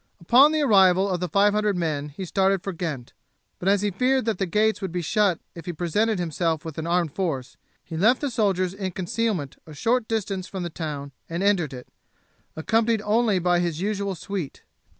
Upon the arrival of the five hundred men he started for Ghent; but as he feared that the gates would be shut if he presented himself with an armed force, he left the soldiers in concealment a short distance from the town and entered it, accompanied only by his usual suite.